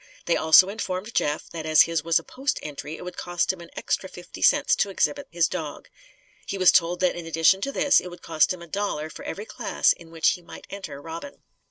They also informed Jeff that as his was a post entry, it would cost him an extra fifty cents to exhibit his dog. He was told that in addition to this it would cost him a dollar for every class in which he might enter Robin.